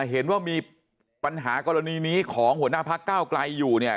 เห็นว่ามีปัญหากรณีนี้ของหัวหน้าพักเก้าไกลอยู่เนี่ย